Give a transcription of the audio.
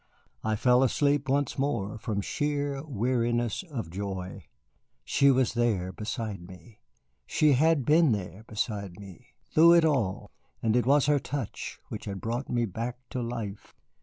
I fell asleep once more from sheer weariness of joy. She was there, beside me. She had been there, beside me, through it all, and it was her touch which had brought me back to life.